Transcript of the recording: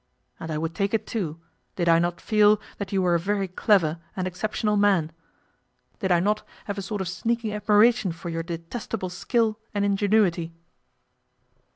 And I would take it, too, did I not feel that you were a very clever and exceptional man; did I not have a sort of sneaking admiration for your detestable skill and ingenuity.